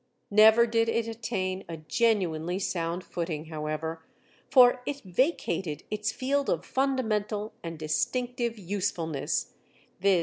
Never did it attain a genuinely sound footing, however, for it vacated its field of fundamental and distinctive usefulness, viz.